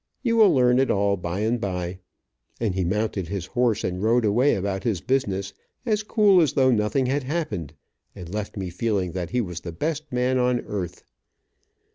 You will learn it all by and by," and he mounted his horse and rode away about his business, as cool as though nothing had happened, and left me feeling that he was the best man on earth.